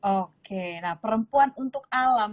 oke nah perempuan untuk alam